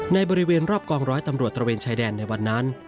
ในบริเวณรอบกองร้อยตำรวจตระเวนชายแดนในวันนั้น